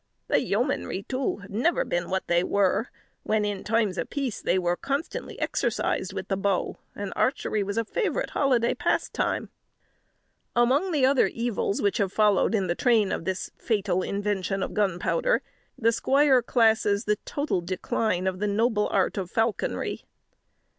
The yeomanry, too, have never been what they were, when, in times of peace, they were constantly exercised with the bow, and archery was a favourite holiday pastime." Among the other evils which have followed in the train of this fatal invention of gunpowder, the squire classes the total decline of the noble art of falconry.